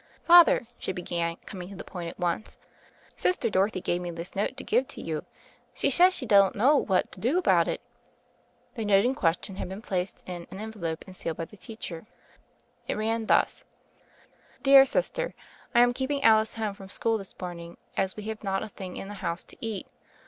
''Father/' she began, coming to the point at once, "Sister Dorothy gave me this note to give to you; she says she don't know what to do about it." The note in question had been placed in an envelope and sealed by the teacher. It ran thus : "Dear Sister : I am keeping Alice home from school this morning, as we have not a thing in the house to eat.